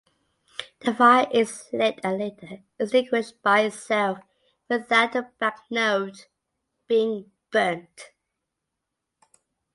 The fire is lit and later extinguished by itself without the banknote being burnt.